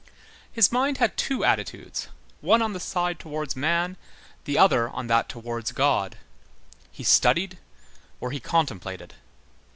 His mind had two attitudes, one on the side towards man, the other on that towards God; he studied or he contemplated.